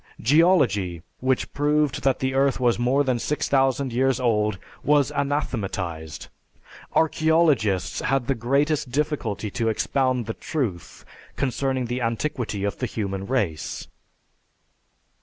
Geology, which proved that the earth was more than 6000 years old, was anathematized; archeologists had the greatest difficulty to expound the truth concerning the antiquity of the human race.